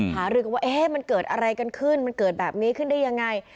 หารือกันว่ามันเกิดอะไรกันขึ้นมันเกิดแบบนี้ขึ้นได้ยังไง